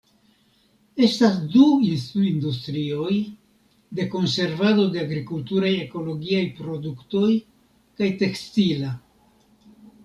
Estas du industrioj: de konservado de agrikulturaj ekologiaj produktoj kaj tekstila.